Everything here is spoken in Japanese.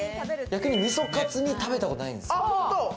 逆に味噌かつ煮は食べたことないんですよ。